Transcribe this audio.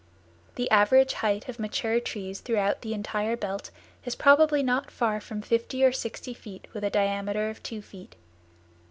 The average height of mature trees throughout the entire belt is probably not far from fifty or sixty feet with a diameter of two feet.